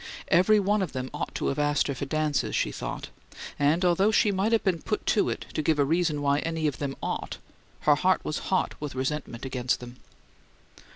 Every one of them ought to have asked her for dances, she thought, and although she might have been put to it to give a reason why any of them "ought," her heart was hot with resentment against them.